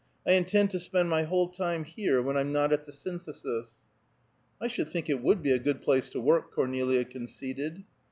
I intend to spend my whole time here when I'm not at the Synthesis." "I should think it would be a good place to work," Cornelia conceded.